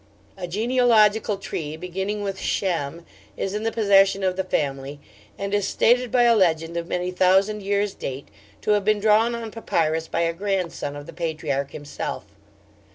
A genealogical tree beginning with Shem is in the possession of the family, and is stated by a legend of many thousand years' date to have been drawn on papyrus by a grandson of the patriarch himself.